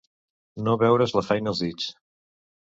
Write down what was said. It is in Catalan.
No veure's la feina als dits.